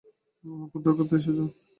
আমাকে উদ্ধার করতে এসেছো?